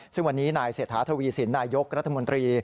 ซึ่งวันนี้นายเศรษฐาทวีสินนายกรัฐมนตรี